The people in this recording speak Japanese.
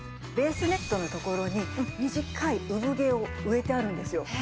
ベースネットのところに短いうぶ毛を植えてあるんですよ。